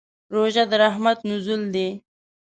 روژه د رحمت نزول دی.